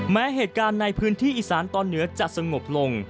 แม้เหตุการณ์ในพื้นที่อีสานตอนเหนือจะสงบลง